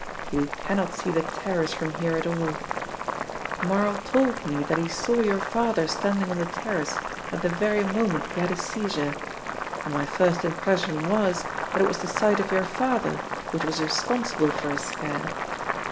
"You cannot see the terrace from here at all. Marl told me that he saw your father standing on the terrace at the very moment he had his seizure, and my first impression was that it was the sight of your father which was responsible for his scare."